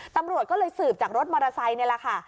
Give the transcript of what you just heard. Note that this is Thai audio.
ตำรวจก็เลยสืบจากรถมอเตอร์ไซค์นี่แหละค่ะ